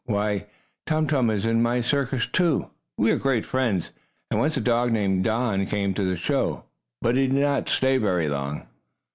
"Why, Tum Tum is in my circus, too! We are great friends. And once a dog named Don came to the show, but he did not stay very long."